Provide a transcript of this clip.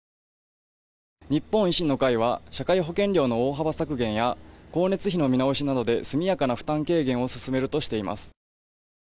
日本維新の会は社会保険料の大幅削減や光熱費の見直しなどで速やかな負担軽減を進めるとしています。